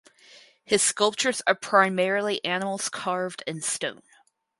His sculptures are primarily animals carved in stone.